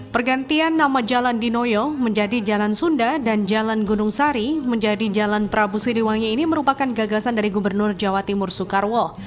pergantian nama jalan dinoyo menjadi jalan sunda dan jalan gunung sari menjadi jalan prabu siliwangi ini merupakan gagasan dari gubernur jawa timur soekarwo